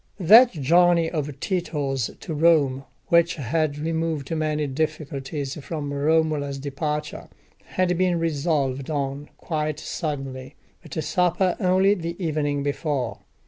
That journey of Tito's to Rome, which had removed many difficulties from Romola's departure, had been resolved on quite suddenly, at a supper, only the evening before.